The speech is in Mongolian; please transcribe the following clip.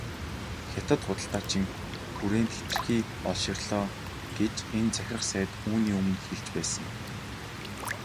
Хятад худалдаачин хүрээнд хэтэрхий олширлоо гэж энэ захирах сайд үүний өмнө хэлж байсан.